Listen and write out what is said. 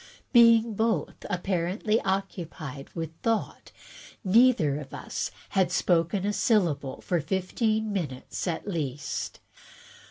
Being both, apparently, occupied with thought, neither of us had spoken a syllable for fifteen minutes at least.